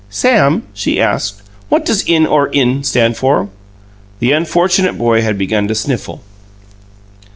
"Sam," she asked, "what does 'In Or In' stand for?" The unfortunate boy had begun to sniffle.